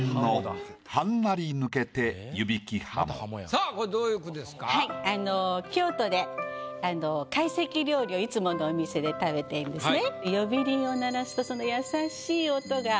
さぁこれどういう句ですか？をいつものお店で食べているんですね。